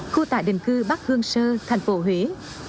khu tải đền cư bắc hương sơ thành phố huế